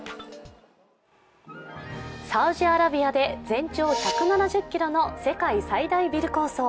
サウジアラビアで全長１７０ｋｍの世界最大ビル構想。